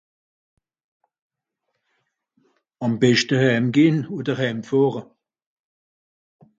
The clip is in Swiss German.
Àm beschte hääm gehn oder hääm fàhre.